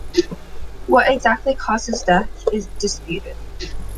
What exactly caused his death is disputed.